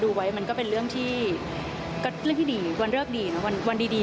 ดูไว้มันก็เป็นเรื่องที่ดีวันเลือกดีวันดี